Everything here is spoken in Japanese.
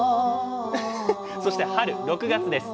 そして春６月です。